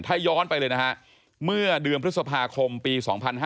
ถ้าย้อนไปเลยนะฮะเมื่อเดือนพฤษภาคมปี๒๕๕๙